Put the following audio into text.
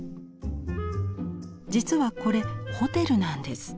実はこれホテルなんです。